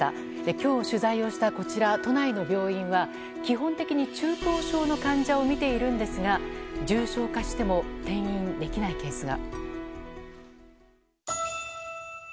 今日、取材をした都内の病院は基本的に中等症の患者を診ているんですが重症化しても転院できないケースが。